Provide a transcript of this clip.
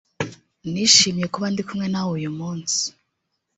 nishimiye kuba ndi kumwe nawe uyu munsi